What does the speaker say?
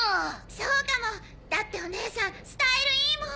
そうかもだっておねえさんスタイルいいもん！